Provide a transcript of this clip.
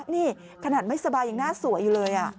นี่ขนาดไม่สบายยังหน้าสวยอยู่เลย